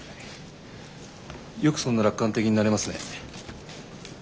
よくそんな楽観的になれますね。